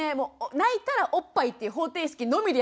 泣いたらおっぱいっていう方程式のみでやってたんですよ。